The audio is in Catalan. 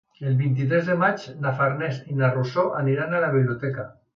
El vint-i-tres de maig na Farners i na Rosó aniran a la biblioteca.